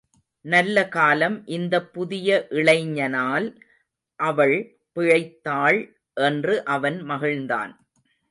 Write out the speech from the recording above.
நல்ல காலம் இந்தப் புதிய இளைஞனால் அவள் பிழைத்தாள் என்று அவன் மகிழ்ந்தான்.